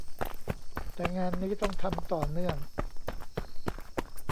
แต่งานนี้ต้องทำต่อเนื่อง